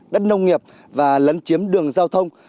đất nông nghiệp và lấn chiếm đường dạng